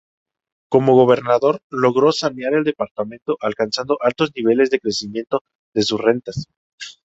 Como gobernador logró sanear el departamento, alcanzando altos niveles de crecimiento de sus rentas.